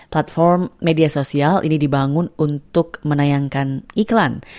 platform media sosial ini dibangun untuk menayangkan iklan